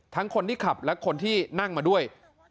ทั้งคนที่ขับและคนที่นั่งมาด้วย